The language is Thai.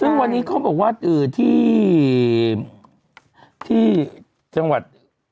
ซึ่งวันนี้เขาบอกว่าที่จังหวัด